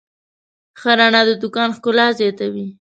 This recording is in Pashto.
ښه رڼا د دوکان ښکلا زیاتوي.